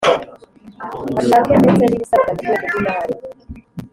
Ashake ndetse n’ibisabwa mu rwego rw’imari